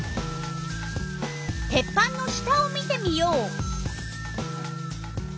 鉄板の下を見てみよう！